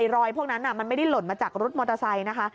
รอยพวกนั้นมันไม่ได้หล่นมาจากรถมอเตอร์ไซค์นะคะ